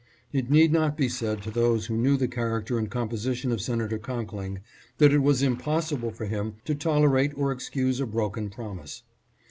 It need not be said to those who knew the character and composition of Sena tor Conkling that it was impossible for him to tolerate or excuse a broken promise.